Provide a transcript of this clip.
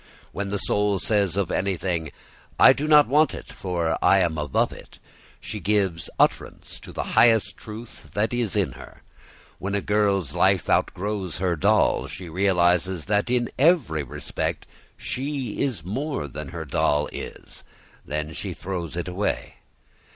When the soul says of anything, "I do not want it, for I am above it," she gives utterance to the highest truth that is in her. When a girl's life outgrows her doll, when she realises that in every respect she is more than her doll is, then she throws it away.